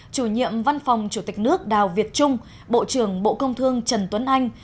chủ nhiệm văn phòng chủ tịch nước đào việt trung bộ trưởng bộ công thương trần tuấn anh